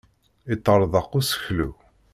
Yeṭṭarḍaq useklu.